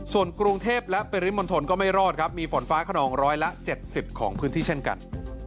ส่วนกรุงเทพและปริมณฑลก็ไม่รอดครับมีฝนฟ้าขนองร้อยละ๗๐ของพื้นที่เช่นกัน